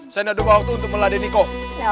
saya tidak ada waktu untuk meladenik kau